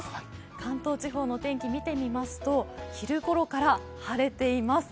関東地方のお天気見てみますと、昼ごろから晴れています。